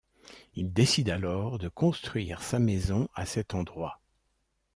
Il décide alors de construire sa maison à cet endroit.